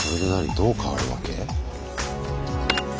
どう変わるわけ？